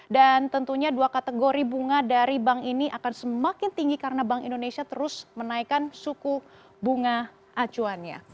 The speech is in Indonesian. dan tentunya dua kategori bunga dari bank ini akan semakin tinggi karena bank indonesia terus menaikkan suku bunga acuannya